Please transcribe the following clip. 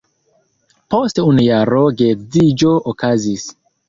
Post unu jaro geedziĝo okazis.